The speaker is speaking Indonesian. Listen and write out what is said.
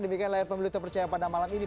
demikian layar pemilu terpercaya pada malam ini